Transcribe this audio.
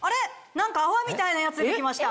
何か泡みたいなやつ出て来ました。